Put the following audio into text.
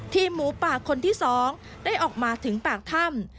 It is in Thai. หมูป่าคนที่๒ได้ออกมาถึงปากถ้ำ